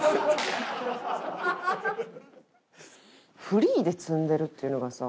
フリーで積んでるっていうのがさ。